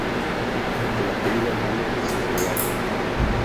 El apellido Brú es catalán.